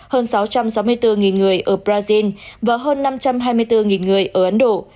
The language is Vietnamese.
hơn sáu trăm sáu mươi bốn người ở brazil và hơn năm trăm hai mươi bốn người ở ấn độ